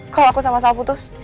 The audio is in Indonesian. kalo aku sama sal putus